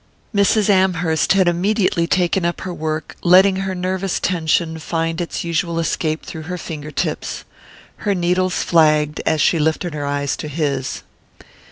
Mrs. Amherst had immediately taken up her work, letting her nervous tension find its usual escape through her finger tips. Her needles flagged as she lifted her eyes to his.